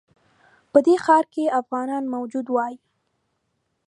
په دې ښار کې افغانان موجود وای.